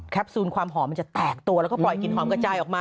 ซูลความหอมมันจะแตกตัวแล้วก็ปล่อยกลิ่นหอมกระจายออกมา